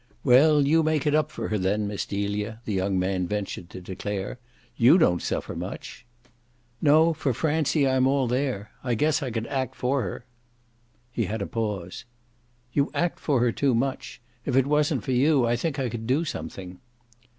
"Well, you make it up for her then, Miss Delia," the young man ventured to declare. "You don't suffer much." "No, for Francie I'm all there. I guess I could act for her." He had a pause. "You act for her too much. If it wasn't for you I think I could do something."